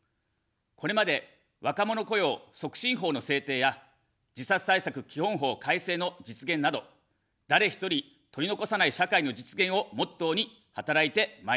これまで若者雇用促進法の制定や自殺対策基本法改正の実現など、誰一人取り残さない社会の実現をモットーに働いてまいりました。